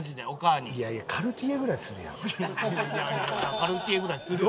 カルティエぐらいするよ。